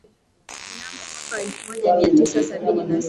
Mnamo mwaka wa elfu moja mia tisa sabini na saba